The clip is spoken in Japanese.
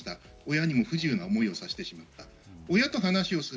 親にも不自由な思いをさせてしまった。